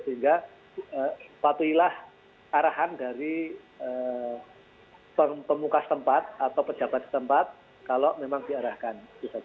sehingga patuhilah arahan dari pemuka tempat atau pejabat setempat kalau memang diarahkan